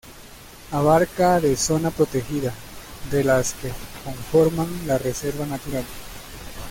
Abarca de zona protegida, de las que conforman la Reserva Natural.